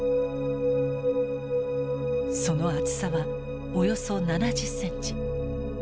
その厚さはおよそ７０センチ。